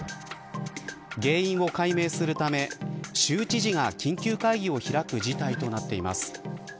原因を解明するため州知事が緊急会議を開く事態となっています。